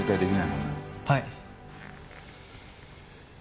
はい。